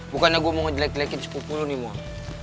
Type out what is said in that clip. bukannya gue mau ngejelek jelekin sepupu lo mon